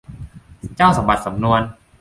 เจ้าสำบัดสำนวน